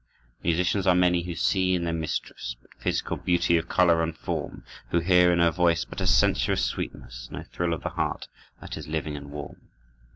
Musicians are many who see in their mistress But physical beauty of "color" and "form," Who hear in her voice but a sensuous sweetness, No thrill of the heart that is living and warm.